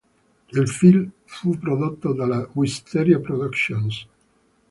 Il film fu prodotto dalla Wisteria Productions.